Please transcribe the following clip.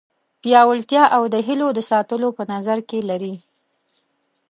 پیاوړتیا او د هیلو د ساتلو په نظر کې لري.